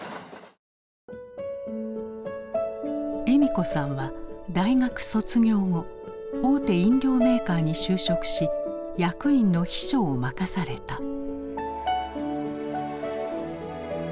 笑美子さんは大学卒業後大手飲料メーカーに就職し役員の秘書を任された。